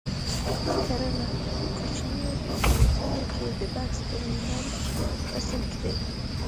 کړنه: په کوچنیو ګروپونو کې د بکس ترمینل رسم کړئ.